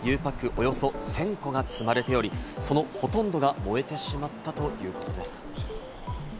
およそ１０００個が積まれており、そのほとんどが燃えてしまったということです。